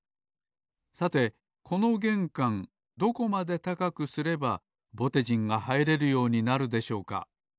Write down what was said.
さてこのげんかんどこまで高くすればぼてじんがはいれるようになるでしょうか？